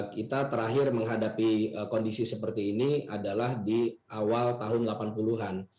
kita terakhir menghadapi kondisi seperti ini adalah di awal tahun delapan puluh an